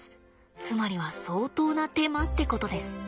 つまりは相当な手間ってことです。